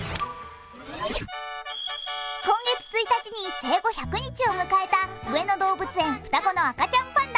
今月１日に生後１００日を迎えた上野動物園、双子の赤ちゃんパンダ。